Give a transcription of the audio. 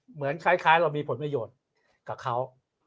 เหมือนคล้ายเรามีผลประโยชน์กับเขา